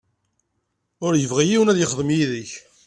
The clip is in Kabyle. Ur yebɣi yiwen ad yexdem yid-k.